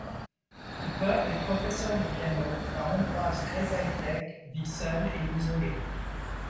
Veuve et professeur de piano, la hongroise Greta Hideg vit seule et isolée.